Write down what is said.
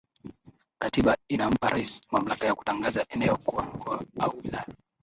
Katiba inampa Raisi mamlaka ya kutangaza eneo kuwa mkoa au wilaya